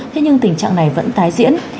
thế nhưng tình trạng này vẫn tái diễn